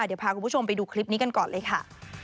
เดี๋ยวพาคุณผู้ชมไปดูคลิปนี้กันก่อนเลยค่ะ